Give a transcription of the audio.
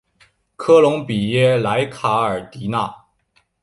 科隆比耶莱卡尔迪纳。